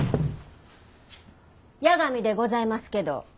八神でございますけど。